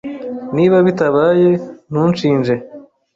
Niba bitabaye, ntunshinje.